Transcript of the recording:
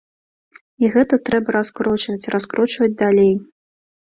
І гэта трэба раскручваць, раскручваць далей.